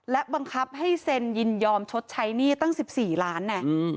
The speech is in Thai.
และบังคับให้เซ็นยินยอมชดใช้หนี้ตั้ง๑๔ล้านไง